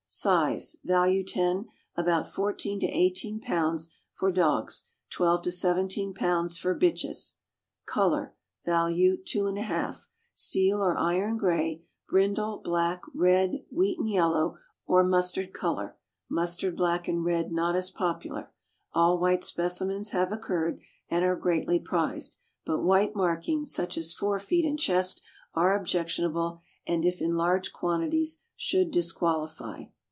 Size (value 10) about fourteen to eighteen pounds for dogs; twelve to seventeen pounds for bitches. Color (value 2 J) steel or iron gray, brindle, black, red, wheaten yellow, or mustard color (mustard, black, and red not as popular). All white specimens have occurred, and are greatly prized, but white markings, such as fore feet and chest, are objectionable, and, if in large quantities, should disqualify.